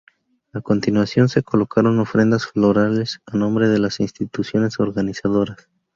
A continuación se colocaron ofrendas florales a nombre de las instituciones organizadoras.